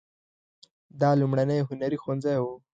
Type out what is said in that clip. دا لومړنی هنري ښوونځی و.